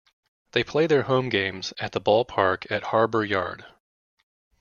They play their home games at The Ballpark at Harbor Yard.